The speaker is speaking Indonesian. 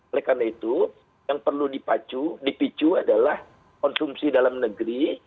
oleh karena itu yang perlu dipacu dipicu adalah konsumsi dalam negeri